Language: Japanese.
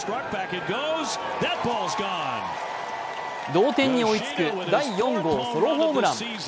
同点に追いつく第４号ソロホームラン。